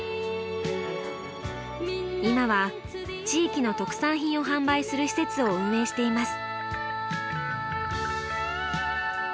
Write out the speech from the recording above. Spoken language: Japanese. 今は地域の特産品を販売する施設を運営しています。